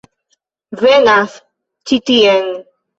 Venas ĉi tien!